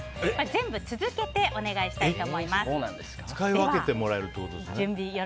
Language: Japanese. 全部続けてお願いしたいと思います。